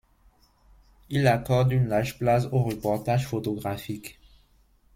Il accorde une large place aux reportages photographiques.